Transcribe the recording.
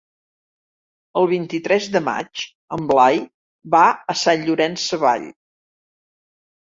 El vint-i-tres de maig en Blai va a Sant Llorenç Savall.